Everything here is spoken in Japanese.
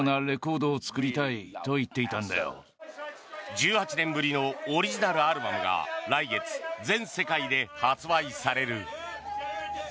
１８年ぶりのオリジナルアルバムが来月、全世界で発売される。